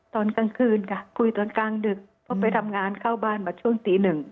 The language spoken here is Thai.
ตอนกลางคืนค่ะคุยตอนกลางดึกเพราะไปทำงานเข้าบ้านมาช่วงตีหนึ่ง